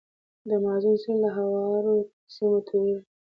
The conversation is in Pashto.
د مازون سیند له هوارو سیمو تویږي.